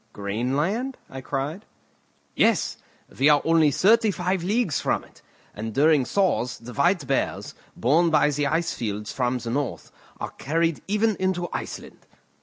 "Greenland?" I cried. "Yes; we are only thirty five leagues from it; and during thaws the white bears, borne by the ice fields from the north, are carried even into Iceland.